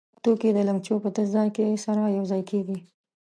دا توکي د لګنچو په تش ځای کې سره یو ځای کېږي.